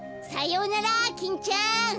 さようならキンちゃん。